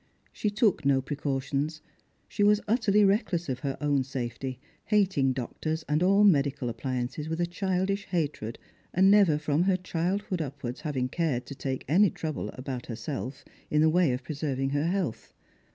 She took no precautions ; she was utterly reckless of her own safety, hating doctors and all medical appliances with a childish hatred, and never from her childhood upwards having cared to take any trouble about lier Strangers and Pilgrims. 321 eelf in the way of preserving her health.